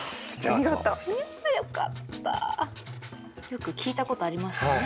よく聞いたことありますよね。